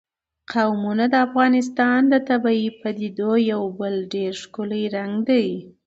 قومونه د افغانستان د طبیعي پدیدو یو بل ډېر ښکلی رنګ دی.